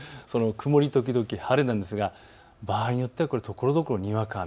曇り時々晴れなんですが、場合によってはところどころにわか雨。